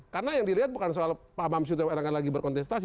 karena yang dilihat bukan soal pak amsud dan pak erlangga lagi berkontestasi